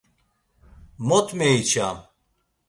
Mot meiçam!